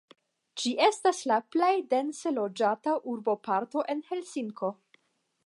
Ĝi estas la plej dense loĝata urboparto en Helsinko.